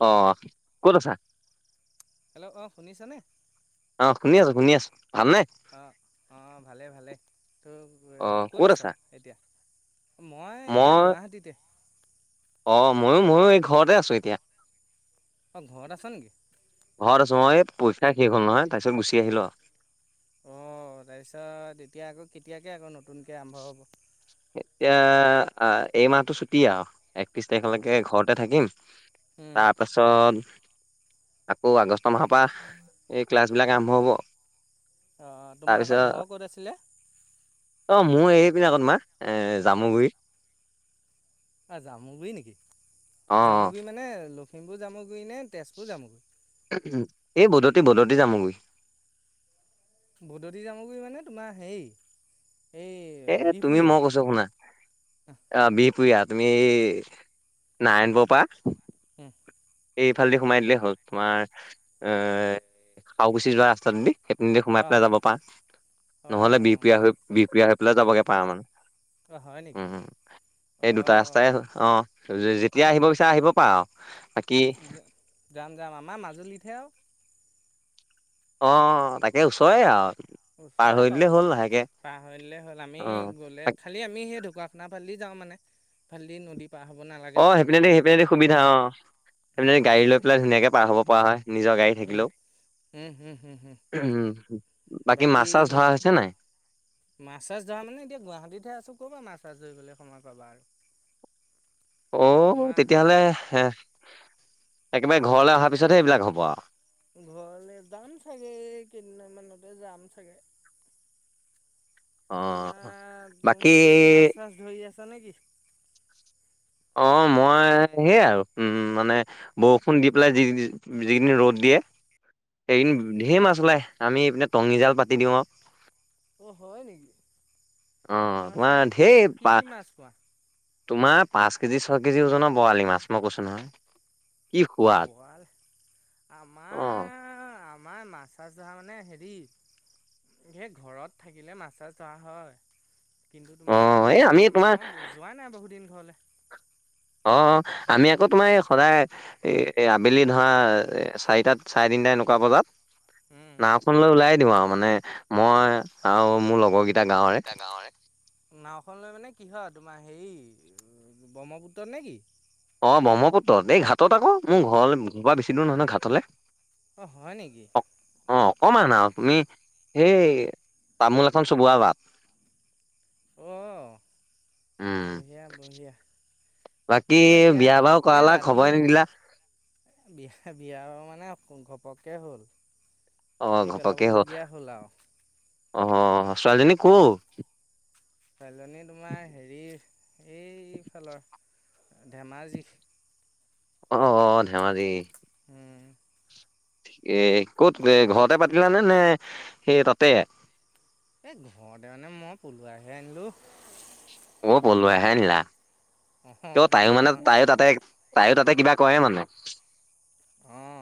অ, ক'ত আছা? হেল্ল' অ, শুনিছাননে? অ, শুনি আছো, শুনি আছো, ভাল নে? অ', অ', ভালে ভালে ত' অ ক'ত আছ আছা এতিয়া? মই এতিয়া গুৱাহাটীতে। অ', ময়ো, ময়ো এই ঘৰতে আছো এতিয়া। অ', ঘৰত আছ নেকি? ঘৰত আছোঁ অ', এই পইচা শেষ হ'ল নহয় তাৰপিছত আহিলোঁ আৰু। অ', তাৰপিছত তেতিয়া আকৌ কেতিয়াকে আকৌ নতুনকে আৰম্ভ হ'ব? এতিয়া, আ এই মাহটো ছুটি আৰু। একত্ৰিশ অঁ তাৰিখলৈকে ঘৰতে থাকিম তাৰপাছত আকৌ আগষ্ট মাহৰ পা এই ক্লাছবিলাক আৰম্ভ হ'ব। অ', তোমালোকৰ তাৰপিছত ঘৰ ক'ত আছিলে? অ', মোৰ এইপিনে আকৌ তোমাৰ জামুগুৰি। অ', জামুগুৰি নেকি? অ জামুগুৰি মানে লখিমপুৰ জামুগুৰি নে তেজপুৰ জামুগুৰি? এই বদতি, বদতি জামুগুৰি। বদতি জামুগুৰি মানে তোমাৰ হেৰি এ এই বিহপুৰীয়া! [inaudible] অ', বিহপুৰীয়া তুমি নাৰায়ণপুৰৰ পা উম। এইফালেদি সোমাই দিলেই হ'ল তোমাৰ এ, খাওঁকুচি যোৱা ৰাস্তাটোদি। সেইপিনেদি সোমাই অঁ পেলাই যাব পাৰা, নহ'লে অঁ বিহপুৰীয়া হৈ বিহপুৰীয়া হৈ পেলাই যাবগে পাৰা মানে। অঁ হয় নেকি উম, এই দুটা অঁ ৰাস্তাই অ', যেতিয়া আহিব ই আহিব পাৰা আৰু। বাকী য-যাম, যাম আমাৰ মাজুলীতহে আৰু। অ', তাকে ওচৰে আৰু। পাৰ ওচৰে হৈ বাৰু, দিলে হ'ল লাহেকে পাৰ হৈ দিলে হ'ল আমি অ গ'লে খালি আমি সেই ঢকুৱাখানা ফালেদি যাওঁ মানে, সেইফালেদি নদীত পাৰ হ'ব নালা অ', সেইপিনেদি, সেইপিনেদি সুবিধা অ'। সিফালেদি গাড়ী লৈ পেলাই ধুনীয়াকে পাৰ হ'ব পৰা হয়, নিজৰ গাড়ী থাকিলেও। উম-উম-উম-উম-উম-উম উম, বাকী মাছ চাছ ধৰা হৈছেনে নাই? মাছ চাছ ধৰা মানে এতিয়া গুৱাহাটীতহে আছোঁ, ক'ৰ পৰা মাছ মাছ ধৰিবলৈ সময় পাবা আৰু। অ', তোমাৰ তেতিয়াহ'লে হে, একেবাৰে ঘৰলৈ অহাৰ পিছতহে এইবিলাক হ'ব আৰু। ঘৰলে যাম চাগে, এই কেইদিনমানতে যাম চাগে। অ তোমাৰ, বাকী তুম-তুমি মাছ চাছ ধৰি আছা নেকি? অ', মই সেয়ে আৰু উম, মানে বৰষুণ দি পেলাই যি-যি-যিকিদিন ৰ'দ দিয়ে সেইকেদিন ঢেৰ মাছ ওলাই, আমি এইপিনে টঙিজাল পাতি দিওঁ আৰু। অ', হয় নেকি? অ', মাছ তোমাৰ মানে ঢেৰ কেনেকুৱা কি, পা কি মাছ পোৱা? তোমাৰ পাঁচ কেজি, ছয় কেজি ওজনৰ বৰালি মাছ মই কৈছোঁ নহয়। কি অ', সোৱাদ বৰাল অ'। আমাৰ, আমাৰ মাছ চাছ ধৰা মানে হেৰি সেই ঘৰত থাকিলে মাছ চাছ ধৰা হয়। কিন্তু তোমাৰ অ', এই আমাৰ আমি এতিয়া তোমাৰ মই যোৱা নাই বহুদিন ঘৰলে। অ', অ', আমি আকৌ তোমাৰ এই সদায় এ, এ, আবেলি ধৰা এ, চাৰিটাত চাৰে তিনিটা এনেকুৱা বজাত উম। নাওঁখন লৈ ওলায়ে দিওঁ আৰু মানে মই আৰু মোৰ লগৰকেইটা গাঁৱৰে। নাওঁখন লৈ মানে কিহত তোমাৰ হেৰি, ব্ৰহ্মপুত্ৰত নেকি? অ', ব্ৰহ্মপুত্ৰত এই ঘাটত আকৌ, মোৰ ঘৰৰ পা বেছি দূৰ নহয়, নহয় ঘাটলে। অ', হয় নেকি? অ অ', অকণমান আৰু তুমি সেই তামোল এখন চবোৱা বাট। অ', উম বঢ়িয়া, বঢ়িয়া। বাকী মোৰ এতিয়া বিয়া বাৰু এই কৰালা ৰাতি খবৰে মা নিদিলা বিয়া, বিয়াৰ মানে ঘপকে হ'ল। অ পাতি ঘপকে হ পেলাবলগীয়া হ'ল আৰু। অ' ছোৱালীজনী ক'ৰ? ছোৱালীজনী তোমাৰ হেৰি এইফালৰ ধেমাজি। অ' ধেমাজি। হুম। এ ক'ত এ ঘৰতে পাতিলানে নে সেই তাতে? এই ঘৰতে মানে মই পলোৱাই হে আনিলোঁ। অ' পলোৱাই হে অনিলা? কিয় অঁ তাইও মানে বিয়াখন তাইও তাতে তাইও তাতে কিবা ক'ৰে মানে? অঁ।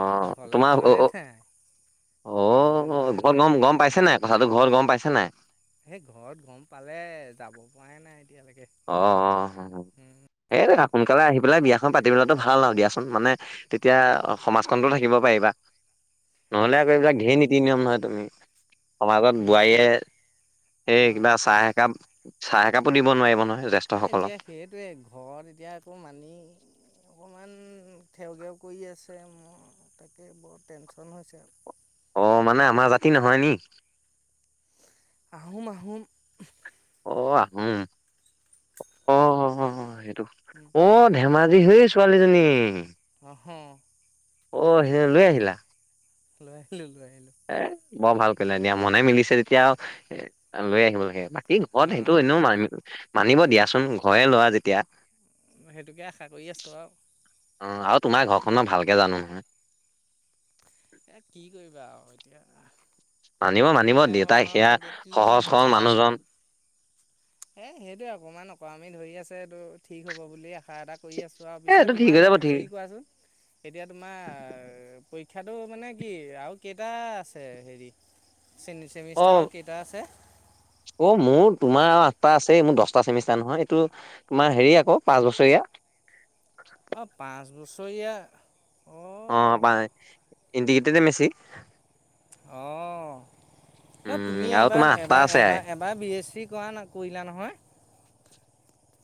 অ' ঘৰলে তোমাৰ যোৱাই অ' নাই ঘৰলে অ' যোৱাই গ নাই গ'ম গ'ম পাইছেনে নাই? কথাাটো ঘৰত গ'ম পাইছে নাই? সেই ঘৰত গ'ম পালে যাব পৰাই নাই এতিয়ালৈকে। অ' অ' সেইটো আৰু সোনকালে আহি পেলাই বিয়াখন পাতি পেলোৱাটো ভাল আৰু দিয়াচোন। মানে তেতিয়া সমাজখনতো থাকিব পাৰিবা। নহলে আকৌ এইবিলাক ঢেৰ নীতি নিয়ম নহয়। তুমি সমাজত নীতি বোৱাৰীয়ে সেই অঁ কিবা চাহ একাপ চাহ একাপো দিব নোৱাৰিব নহয়। য [unintelligible] এই এতিয়া সেইটোৱে ঘৰত এতিয়া আকৌ মানি অকণমান ঠেউঘেও কৰি আছে মোৰ তাকে বৰ টেশ্যন হৈছে আৰু। অ' মানে আমাৰ জাতি নহয় নি? আহোম আহোম। অ' আহোম অ' আহ সেইটো অ'। ধেমাজিৰ হেই ছোৱালীজনী? ওহু। অ' হেই লৈ আহিলা? লৈ আহিলো লৈ আহিলো। এ বৰ ভাল কৰিলা দিয়া, মনে মিলিছে তেতিয়া এ লৈ আহিব লাগে। হেই ঘৰত অঁ সেইটো এনেও মান মানিব দিয়াচোন ঘৰৰে ল'ৰা যেতিয়া। সেইটোকে আশা কৰি আছোঁ আৰু। অ' আৰু তোমাৰ ঘৰখন মই ভালকে জানো নহয়। এ কি কৰিবা আৰু এতিয়া? মানিব মানিব মানে মই দেউতাই সেয়া এতিয়া কিনো সহজ সৰল হয়। মানুহজন এ সেইটোৱে অকমান অকৰামি ধৰি আছে, এইটো ঠিক হ'ব বুলিয়ে আ শা এটা কৰি আছোঁ আৰু এ পিছে এইটো ঠিক হৈ তোমাৰ যাব ঠিক হেৰি কৰাচোন এতিয়া তোমাৰ পৰীক্ষাটো মানে কি আৰু কেইটা আছে হেৰি অ চেমিষ্টাৰ আৰু কেই টা আছে? অ' মোৰ তোমাৰ আৰু আঠটা আছে মোৰ দহটা চেমিষ্টাৰ নহয়। এইটো তোমাৰ হেৰি আকৌ পাঁচ বছৰীয়া। অ' পাঁচ বছৰীয়া? অ' অঁ পা ইণ্টিগ্ৰেটেড মেচি। অ' ন উম তুমি আৰু তোমাৰ এবাৰ আঠটা এবাৰ আছে এবাৰ বাৰ বি এছ চি কৰা ন কৰিলা নহয়?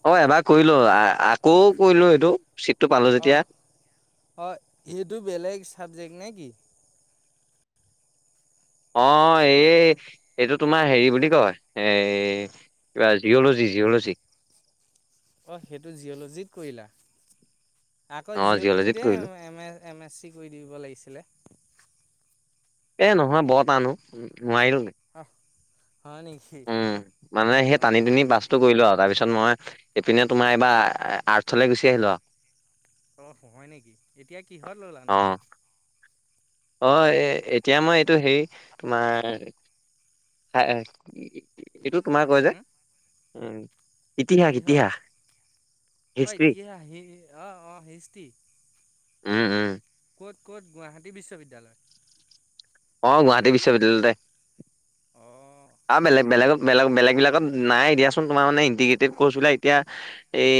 অ' এবাৰ কৰিলো, আকৌ কৰিলো এইটো ছিটটো পালো অঁ যেতিয়া। অঁ সেইটো বেলেগ চাবজেক্ট নে কি? অ' এই এইটো তোমাৰ হেৰি বুলি কয় এ কিবা জিঅ'লজি জিঅ'লজি। অ' সেইটো জিঅ'লজিত কৰিলা আকৌ অ জিঅ'লজিত জিঅ'লজিতে কৰিলো M A M S C কৰি দিব লাগিছিলে? এ নহয় বৰ টান অ' নোৱাৰিলোওঁগে। অহ হয় নেকি? উম, মানে সেই টানি অঁ নি বাচ কৰিলো আৰু তাৰপিছত মই ইপিনে তোমাৰ এইবাৰ আৰ্টচলৈ গুচি আহিলো আৰু। অ, হয় নেকি এতিয়া কিহত ললানো। অ অ, এ, এতিয়া মই এইটো হেৰি তোমাৰ এইটো তোমাৰ কয় যে উম। ইতিহাস কিহ ইতিহাস অঐ হিষ্ট্ৰী দিয়ি অ', অ', হিষ্ট দি উম, উম। ক'ত, ক'ত, গুৱাহাটী বিশ্ববিদ্যালয়? অ, গুৱাহাটী বিশ্ববিদ্যালয়তে। অ'। অ, বেলেগ, বেলেগত, বেগ-বেলেগবিলাকত নাই দিয়াচোন তোমাৰ মানে ইণ্টিগ্ৰেটেড কৰ্চ বিলাক এতিয়া এই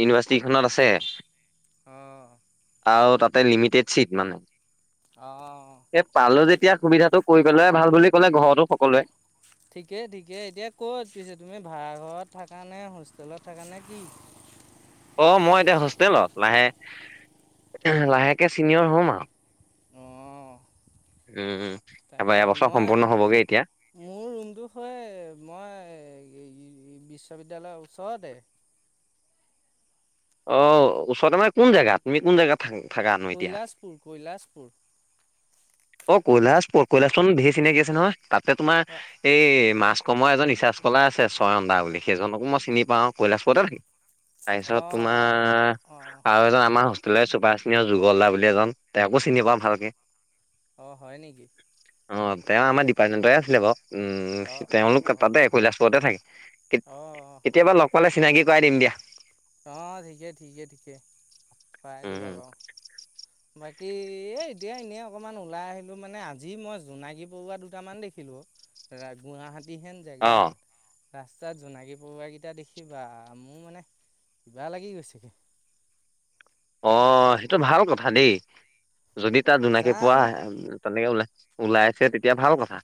ইউনিভাৰ্চিটি খনত আছে। অ'। আৰু তাতে লিমিটেড চিট মানে। অ'। পালো যেতিয়া সুবিধাটো কৰি পেলোৱাই ভাল বুলি ক'লে ঘৰতো সকলোৱে। ঠিকে, ঠিকে, এতিয়া ক'ত পিছে তুমি ভাড়াঘৰত থাকানে হোষ্টেলত থাকানে কি? অ, মই এতিয়া হোষ্টেলত, লাহে, লাহেকে চিনিয়ৰ হম আৰু। অ'। উম, উম, এবাৰ তাকে এবছৰ মই সম্পূৰ্ণ হবগে এতিয়া। মোৰ ৰুমটো হয় মই বিশ্ববিদ্যালয়ৰ ওচৰতে। অ, ওচৰতে মানে কোন জেগাত তুমি কোন জেগাত? থ, ফাগান কৈলাশপুৰ, কৈলাশপুৰ। অ, কৈলাশপুৰ, কৈলাশপুৰত মোৰ ধে'ৰ চিনাকি আছে নহয়, তাতে তোমাৰ অ', এই মাছ কমৰ এজন ৰিচাৰ্ স্কলাৰ আছে ছয়ন্দা বুলি সেইজনকো মই চিনি পাওঁ, কৈলাশপুৰতে থাকে। তাৰপিছত অ', অ', তোমাৰ অ', আৰু এজন আমাৰ হোষ্টে চুপাৰ চিনিয় যুগল দা বুলি এজন তেওঁকো চিনি পাওঁ ভালকে। অ, হয় নেকি। অ, তেওঁ আমাৰ ডিপাৰ্টমেণ্টৰে আছিলে বাৰু। অ', উম, অ', তেওঁলোক অ', অ', তাতে কৈলাাসুৰতে থাকে। কেতি, কেতিয়াবা লগ লে চিনাকি কৰা দিম দি অ, ঠিকে, ঠিকে, ঠিকে পাই উম দিবা বাৰু। বাকী এ, এতিয়া এনেই অকমান ওলাই আহিলো মানে, আজি মই জোনাগী পৰুৱা দুটামান দেখিলো। গুৱাহাটীহেন অ' জেগাত ৰাস্তাত জোনাকী পৰুৱাকেইটা দেখিবা মোৰ মানে কিবা লাগি গৈছেগৈ। অ, সেইটো ভাল কথা দেই, যদি তাত জোনাকী পৰুৱা জানো তেনেকে ওলাই ওলাই আছে, তেতিয়া ভাল কথা,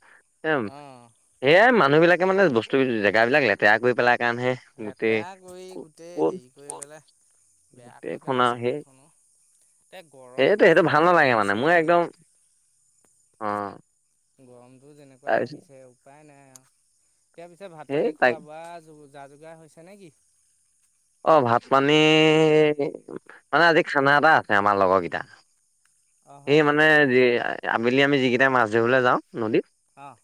এম অঁ সয়াই মানুহ বিলাকে মানে বস্তু জেগাবিলাক লেতেৰা কৰি পেলাৰ কাৰণেহে গোটেই লেতেৰা কৰি ক'ত গোটেই হেৰি কৰি পেলাই বেয়া কৰি গোটেইখন আৰু পেলাইছে সেই গোটেইখনো, এতিয়া সেইটো গৰমটো সেইটো ভাল যেনেকুৱা নালাগে মানে বাঢ়িছে। মই একদম অ'। গৰমটো যেনেকুৱা তাৰপিছত বাঢ়িছে উপায় নাই আৰু, এতিয়া পিছেত ভাত সেই পানী তাই খোৱা, বোৱা যো যা, যোগাৰ হৈছে নে কি? অ, ভাত, পানী মানে আজি খানা এটা আছে আমাৰ লগৰ কেইটাৰ। অঁ হয় সেই নেকি মানে যি আবেলি আমি যিকেইটাই মাছ ধৰিবলৈ যাওঁ নদীত অ'।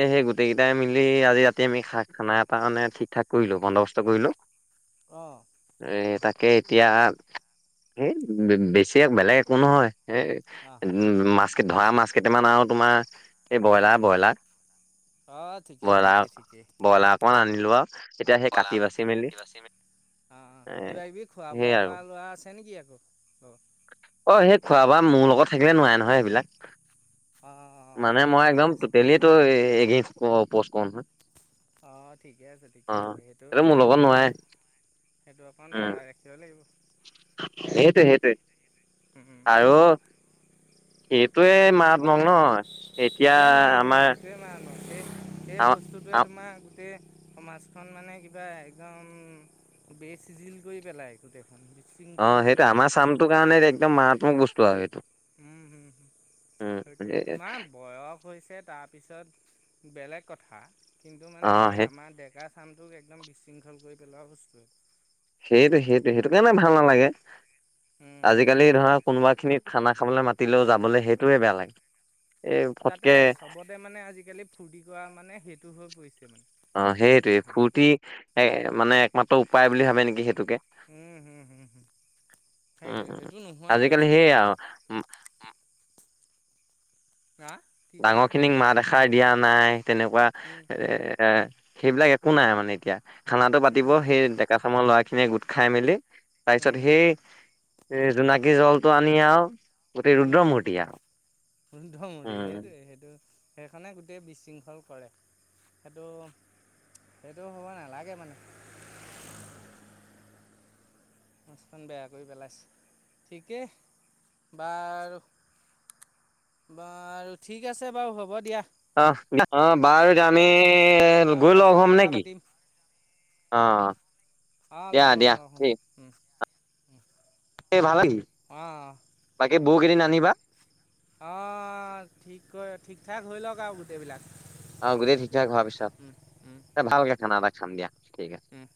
এ, সেই গোটেইকেইটাই মিলি আজি ৰাতি আমি শাক খানা এটা মানে ঠিক ঠাক কৰিলো বন্দবস্ত কৰিলো। অ'। এ, তাকে এতিয়া হ, বেছি বেলেগ একো নহয়, এ অ'। উ, মাছ ধৰা মাছ কেইটামান আৰু তোমাৰ এই অ', ব্ৰইলাৰ, অ', ব্ৰইলাৰ অ', ঠিকেই বইলাৰ, ঠিকেই ঠিকেই। ব্ৰইলাৰ অকণ অ', আনিলো আৰু এতিয়া সেই কাটি বাচি মেলি অ', অ', এ কিবা কিবি খোৱা সেইয়াই বোৱা আৰু কৰা ল'ৰা আছে নেকি আকৌ, অ'। অ, সেই খোৱা বোৱা মোৰ লগত থাকিলে নোৱাৰে নহয় সেইবিলাক। অ', মানে মই ঠিকে একদম আছে টোটেলিটো এগেনস্ত কৰো উপষ্ট কৰো নহয়। অ, ঠিকে আছে, অ ঠিকে আছে সেইটো, মোৰ লগত নোৱাৰে সেইটো, সেইটো অকণ বজাই ৰাখ লাগিব। সেইটোৱ, সেইটোৱে উম, আৰু। এইটোৱে মাঘ, মং নহ এতিয়া আমাৰ। মানহ সেই, সেই আ- বস্তুটোৱে আ- তোমাৰ গ, সমাজখন মানে কিবা একদম বেচ জিল কৰি পেলাই। [inaudible] অ, সেইটো পেলাই আমাৰ চামটোৰ কাৰণে একদম মাৰাত্মক বস্তু আৰু সেইটো। উম, হম হ, উম, সেই কি এ- তুমা বয়স হৈছে তাৰপিছত বেলেগ কথা কিন্তু অ, মানে এই সেই আমাৰ ডেকা আচাম টোক একদম বিশৃংখল কৰি পেলোৱা বস্তুৱে সেইটো, সেইটো, সেইটো কাৰণে ভাল নালাগে উম আজিকালি ধৰক। কোনোবা খিনিত খানা খাবলৈ মাতিলেও যাবলৈ সেইটোয়ে বেয়া লাগে। এই তাতে ফটকে চবতে মানে আজিকালি ফূৰ্তি কৰা মানে সেইটো হৈ পৰিছে মানে। অ, সেইটয়ে গোটেইখন ফূৰ্তি এ মানে একমাত্ৰ উপায় বুলি ভাবে নেকি সেইটোকে। উম, হুম, হুম। হুম উম, সেইটোৱে উ, সেইটো আজিকালি নোহোৱাকৈতো সেইয়য়া। হা? কি ক'লা ডাঙৰ খিনিক মা এষাৰ দিয়া নাই তেনেকুৱা। উম। এ এ, সেইবিলাক একো নাই মানে এতিয়া খানাটো পাতিব উম উম সেই কাঠামৰ ল'ৰা খিনিয়ে গোট খাই মেলি তাৰপিছত উম সেই এই জোনাকী জলটো আনি আৰু গোটেই ৰুদ্ৰ মূৰ্তি আৰু উমধমৰি উম, সেইটোৱে, সেইটো। সেইখনে গোটেই বিশৃংখল কৰে। সেইটো, সেইটো হ'ব নালাগে মানে। মাছখন বেয়া কৰি পেলাইছে ঠিকেই বাৰু। বাৰু ঠিক আছে বাৰু হ'ব দিয়া। আহ, অ, বাৰু আমি অঁ গৈ পাছত লগ হম কথা নেকি। পাতিম অ, অঁ দিয়া, লগ হ'ম দিয়া ঠিক [inaudible] এই ভাল লাগি অ'। বাকী বৌক এদিন দিন আনিবা। অ, ঠিক কয়, ঠিক, ঠাক হৈ লওক আৰু। এইবিলাক অ, গোটেই ঠিক ঠাক ভাব পিছ উম ভালকে খানা এটা খাম দিয়া ঠিক আছে। উম।